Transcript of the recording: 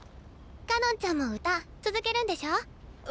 かのんちゃんも歌続けるんでしょ？